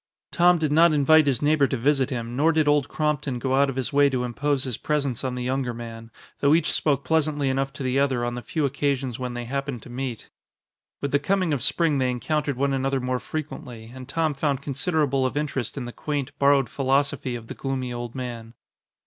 Tom did not invite his neighbor to visit him, nor did Old Crompton go out of his way to impose his presence on the younger man, though each spoke pleasantly enough to the other on the few occasions when they happened to meet. With the coming of spring they encountered one another more frequently, and Tom found considerable of interest in the quaint, borrowed philosophy of the gloomy old man.